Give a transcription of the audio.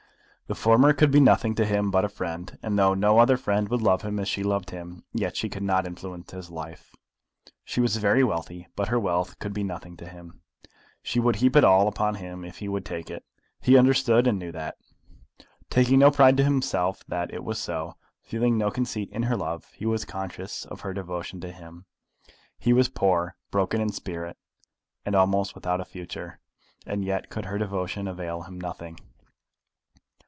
The former could be nothing to him but a friend; and though no other friend would love him as she loved him, yet she could not influence his life. She was very wealthy, but her wealth could be nothing to him. She would heap it all upon him if he would take it. He understood and knew that. Taking no pride to himself that it was so, feeling no conceit in her love, he was conscious of her devotion to him. He was poor, broken in spirit, and almost without a future; and yet could her devotion avail him nothing!